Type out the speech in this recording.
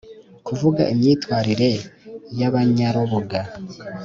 -kuvuga imyifatire y’abanyarubuga;